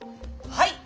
はい！